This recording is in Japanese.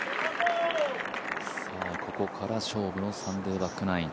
ここから勝負のサンデーバックナイン。